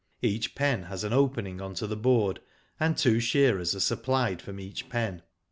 Each pen has an opening on to the board, and two shearers are supplied from each pen.